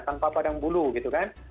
tanpa padang bulu gitu kan